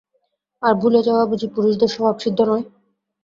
আর ভুলে-যাওয়া বুঝি পুরুষদের স্বভাবসিদ্ধ নয়?